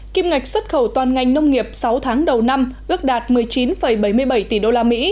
kim ngạch xuất khẩu toàn ngành nông nghiệp sáu tháng đầu năm ước đạt một mươi chín bảy mươi bảy tỷ usd